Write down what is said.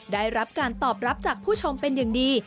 ได้รับการตอบรับจากผู้ชมเป็นอย่างดี